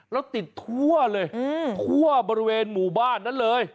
แล้วติดทั่วเลยทั่วบริเวณหมู่บ้านนั้นเลย